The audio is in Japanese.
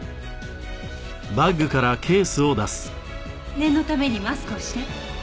念のためにマスクをして。